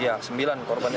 iya sembilan korbannya